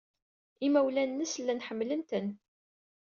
Imawlan-nnes llan ḥemmlen-ten.